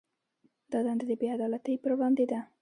دا دنده د بې عدالتۍ پر وړاندې ده.